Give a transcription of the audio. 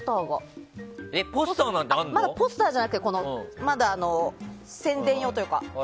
ポスターじゃなくて宣伝用というか。